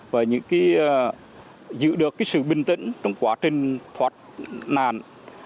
và giữ được sự bình tĩnh trong quá trình thoát nạn